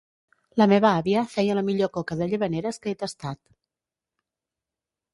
La meva àvia feia la millor coca de Llavaneres que he tastat.